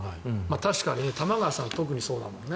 確かに玉川さんは特にそうだもんね。